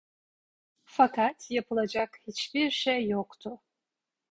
Fakat yapılacak hiçbir şey yoktu.